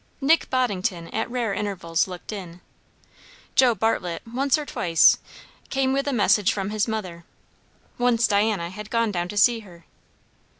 Nick Boddington at rare intervals looked in. Joe Bartlett once or twice came with a message from his mother; once Diana had gone down to see her.